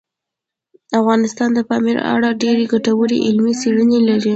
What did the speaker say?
افغانستان د پامیر په اړه ډېرې ګټورې علمي څېړنې لري.